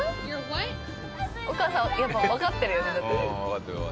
お母さんはやっぱわかってるよねだって。